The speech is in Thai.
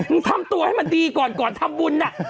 ทำตัวให้มันดีก่อนก่อนทำบุญน่ะ